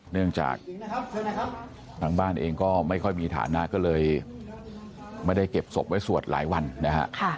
เนื่องจากทางบ้านเองก็ไม่ค่อยมีฐานะก็เลยไม่ได้เก็บศพไว้สวดหลายวันนะฮะ